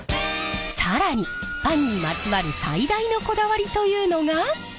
更にパンにまつわる最大のこだわりというのが！